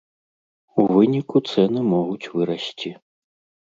У выніку цэны могуць вырасці.